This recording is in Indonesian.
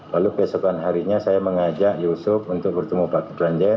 lalu besokan harinya saya mengajak yusuf untuk bertemu pak ki planzen